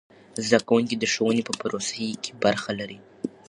زده کوونکي د ښوونې په پروسې کې برخه لري.